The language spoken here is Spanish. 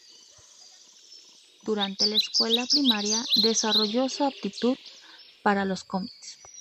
Durante la escuela primaria desarrolló su aptitud para los cómics.